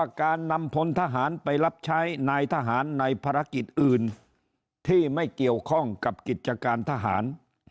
การนำพลทหารไปรับใช้นายทหารในภารกิจอื่นที่ไม่เกี่ยวข้องกับกิจการทหาร